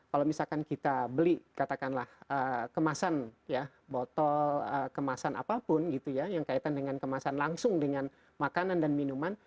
kalau misalkan kita beli katakanlah kemasan ya botol kemasan apapun gitu ya yang kaitan dengan kemasan langsung dengan makanan dan minuman